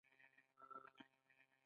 دا په ټاکلې موده کې باید ترسره شي.